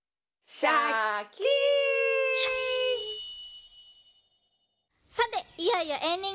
シャキーン！